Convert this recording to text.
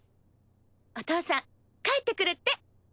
お父さん帰ってくるって！